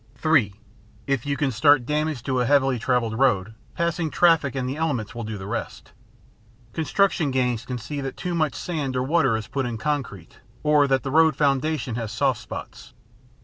(3) If you can start damage to a heavily traveled road, passing traffic and the elements will do the rest. Construction gangs can see that too much sand or water is put in concrete or that the road foundation has soft spots.